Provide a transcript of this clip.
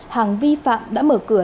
hàng vi phạm đã mở cửa